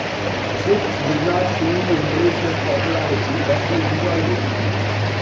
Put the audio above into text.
Swift did not fully embrace his popularity, but he enjoyed it.